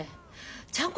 ちゃんこ